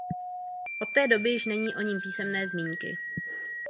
Od té doby již není o ní písemné zmínky.